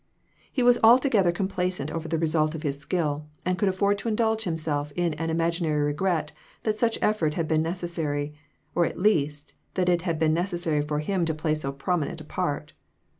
He was altogether complacent over the result of his skill, and could afford to indulge himself in an imaginary regret that such effort had been necessary ; or at least, that it had been necessary for him to play so prominent a part.